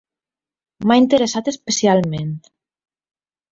M'ha interessat especialment